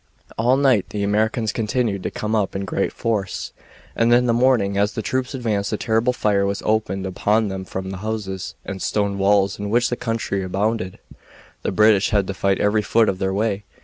All night the Americans continued to come up in great force, and in the morning as the troops advanced a terrible fire was opened upon them from the houses and stone walls in which the country abounded. The British had to fight every foot of their way.